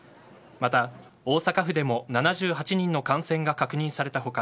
また大阪府でも７８人の感染が確認された他